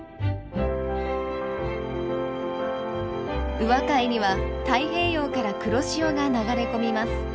宇和海には太平洋から黒潮が流れ込みます。